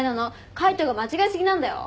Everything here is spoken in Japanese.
海斗が間違え過ぎなんだよ。